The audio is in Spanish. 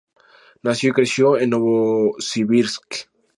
Nació y creció en Novosibirsk.